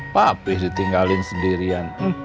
papih ditinggalin sendirian